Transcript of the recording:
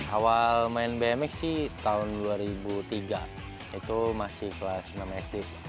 awal main bmx sih tahun dua ribu tiga itu masih kelas enam sd